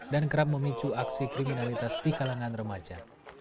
dan kerap memicu aksi kriminalitas di kalangan remaja